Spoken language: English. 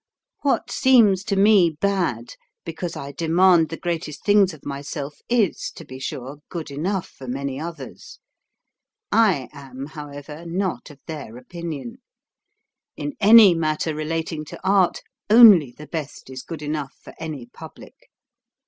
What seems to me bad, because I demand the greatest things of myself, is, to be sure, good enough for many others. I am, however, BEFORE THE PUBLIC ,305 not of their opinion. In any matter relating to art, only the best is good enough for any pub lic.